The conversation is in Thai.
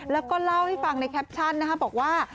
แล้วก็เล่าให้ฟังในแคปชั่นนะคะบอกว่า